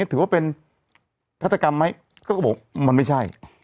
ถือว่าเป็นคัตกรรมปะมันไม่ใช่